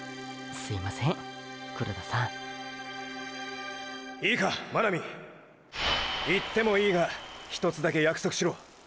すいません黒田さんいいか真波行ってもいいがひとつだけ約束しろ。